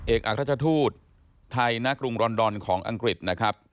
เอกอักราชทูตไทยณกรุงรอนดอนของอังกฤษนะครับ